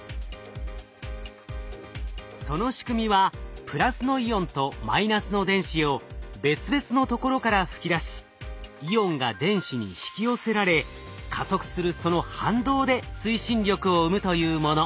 その仕組みはプラスのイオンとマイナスの電子を別々のところから吹き出しイオンが電子に引き寄せられ加速するその反動で推進力を生むというもの。